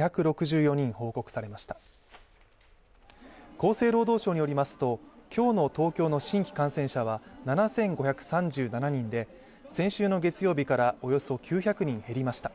厚生労働省によりますと今日の東京の新規感染者は７万６２６４人で先週の月曜日からおよそ９００人減りました。